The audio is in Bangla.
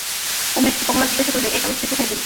উমেশকে কমলা জিজ্ঞাসা করিল, এ কাগজ তুই কোথায় পেলি?